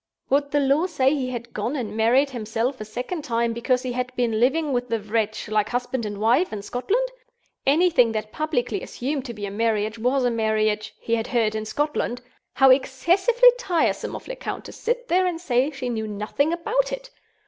Would the law say he had gone and married himself a second time, because he had been living with the Wretch, like husband and wife, in Scotland? Anything that publicly assumed to be a marriage was a marriage (he had heard) in Scotland. How excessively tiresome of Lecount to sit there and say she knew nothing about it!